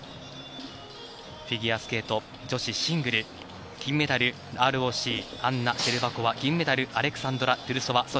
フィギュアスケート女子シングル金メダルＲＯＣ、アンナ・シェルバコワ銀メダルアレクサンドラ・トゥルソワ